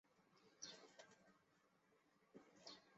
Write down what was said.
瓢箪藤棒粉虱为粉虱科棒粉虱属下的一个种。